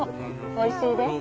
おいしいで。